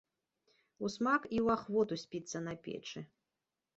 Усмак і ў ахвоту спіцца на печы.